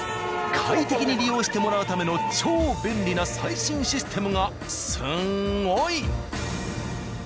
快適に利用してもらうための超便利な最新システムがスンゴイ。